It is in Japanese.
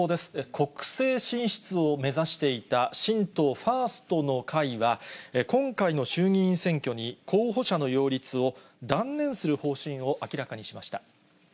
国政進出を目指していた新党ファーストの会は、今回の衆議院選挙に候補者の擁立を断念する方針を明らかにしました。